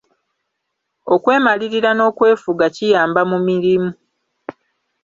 Okwemalirira n’okwefuga kiyamba mu mirimu.